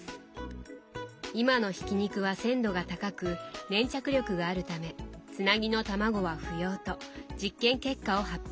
今の挽き肉は鮮度が高く粘着力があるためつなぎの卵は不要と実験結果を発表。